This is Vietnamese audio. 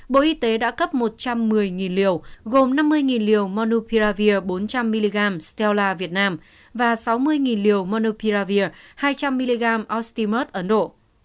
bộ y tế đã cấp một trăm một mươi liều gồm năm mươi liều monopiravir bốn trăm linh mg stela việt nam và sáu mươi liều monopiravir hai trăm linh mg osteomert ấn độ